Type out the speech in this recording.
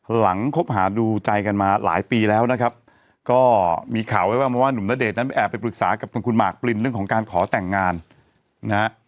คบหาดูใจกันมาหลายปีแล้วนะครับก็มีข่าวไว้บ้างมาว่าหนุ่มณเดชนนั้นแอบไปปรึกษากับทางคุณหมากปรินเรื่องของการขอแต่งงานนะฮะ